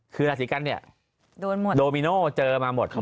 คือราศีกรรมเนี่ยโดมิโน้เจอมาหมด